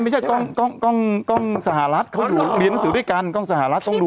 ไม่ใช่ก้องสหรัฐเขาเรียนหนังสือด้วยกันก้องสหรัฐต้องดู